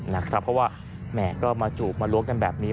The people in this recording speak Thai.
เพราะว่าแหมก็มาจูบมาล้วงกันแบบนี้